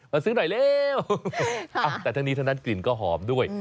มาซื้อหน่อยเร็วแต่ทั้งนี้ทั้งนั้นกลิ่นก็หอมด้วย